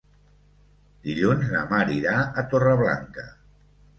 Dilluns na Mar irà a Torreblanca.